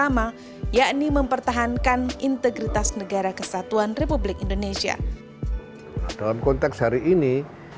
mempertahankan integritas negara kesatuan republik indonesia dalam konteks hari ini